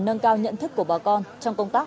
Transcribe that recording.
nâng cao nhận thức của bà con trong công tác